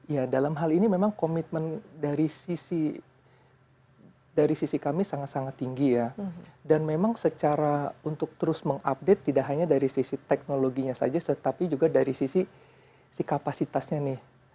ya dalam hal ini memang komitmen dari sisi kami sangat sangat tinggi ya dan memang secara untuk terus mengupdate tidak hanya dari sisi teknologinya saja tetapi juga dari sisi kapasitasnya nih